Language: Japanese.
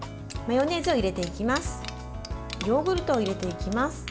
ヨーグルトを入れていきます。